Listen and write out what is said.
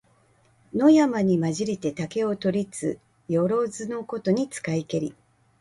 野山にまじりて竹を取りつ、よろづのことに使いけり。